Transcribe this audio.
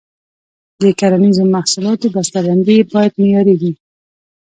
د کرنیزو محصولاتو بسته بندي باید معیاري وي.